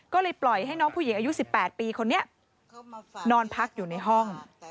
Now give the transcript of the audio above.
ก็เลยปล่อยให้น้องผู้หญิงอายุ๑๘ปีคนนี้นอนพักอยู่ในห้อง